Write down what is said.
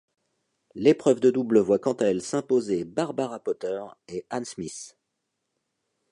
L'épreuve de double voit quant à elle s'imposer Barbara Potter et Anne Smith.